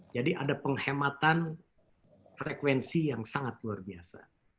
jadi ada penghematan frekuensi yang sangat luar biasa